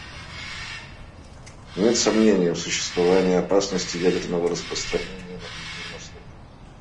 Нет сомнений в существовании опасности ядерного распространения на Ближнем Востоке.